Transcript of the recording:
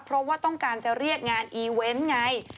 เพราะว่าต้องการจะเรียกงานอีเวนต์ไง